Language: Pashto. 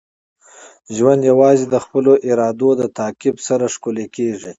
ژوند یوازې د خپلو ارادو د تعقیب سره ښکلی کیږي.